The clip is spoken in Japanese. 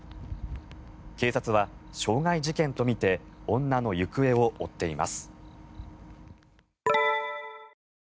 警察は傷害事件とみて女の行方を追っています。